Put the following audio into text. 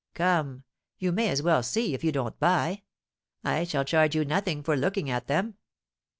Come, you may as well see if you don't buy. I shall charge you nothing for looking at them."